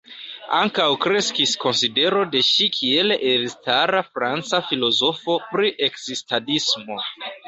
Ankaŭ kreskis konsidero de ŝi kiel elstara franca filozofo pri ekzistadismo.